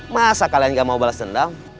masa kalian gak mau balas dendam